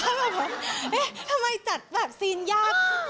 เพราะว่าทำไมจัดซีนยาก